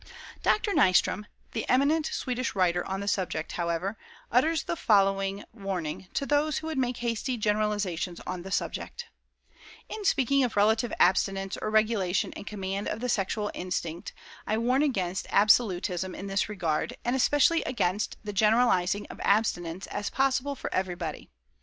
Dr. Nystrom, the eminent Swedish writer on the subject, however, utters the following warning to those who would make hasty generalizations on the subject: "In speaking of relative abstinence or regulation and command of the sexual instinct, I warn against absolutism in this regard, and especially against the generalizing of abstinence as possible for everybody.